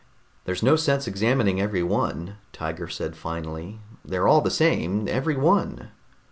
"There's no sense examining every one," Tiger said finally. "They're all the same, every one."